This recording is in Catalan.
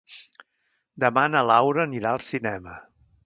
Demà na Laura anirà al cinema.